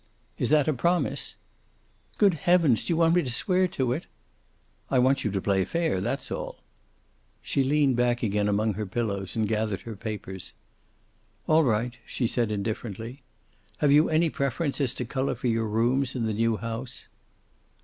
"Is that a promise?" "Good heavens, do you want me to swear to it?" "I want you to play fair. That's all." She leaned back again among her pillows and gathered her papers. "All right," she said, indifferently. "Have you any preference as to color for your rooms in the new house?"